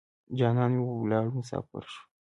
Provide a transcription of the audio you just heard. جانان مې ولاړو مسافر شو.